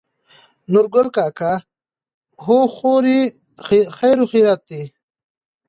نورګل کاکا: هو خورې خېرخېرت دى.